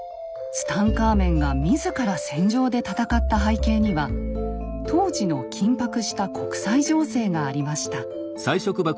ツタンカーメンが自ら戦場で戦った背景には当時の緊迫した国際情勢がありました。